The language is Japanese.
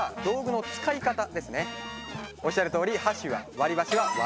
おっしゃるとおり箸は割り箸は÷。